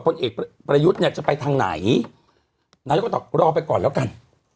ผลเอกประยุทธ์เนี่ยจะไปทางไหนนายกก็ตอบรอไปก่อนแล้วกัน